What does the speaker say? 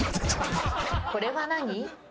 これは何？